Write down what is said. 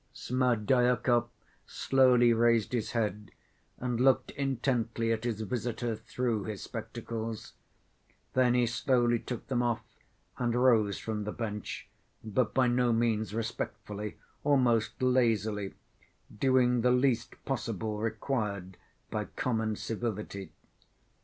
Smerdyakov slowly raised his head and looked intently at his visitor through his spectacles; then he slowly took them off and rose from the bench, but by no means respectfully, almost lazily, doing the least possible required by common civility.